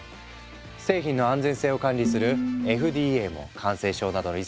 製品の安全性を管理するＦＤＡも感染症などのリスクを考え